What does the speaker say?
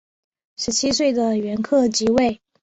十七岁的元恪即位。